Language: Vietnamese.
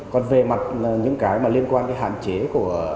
còn về mặt những cái mà liên quan cái hạn chế của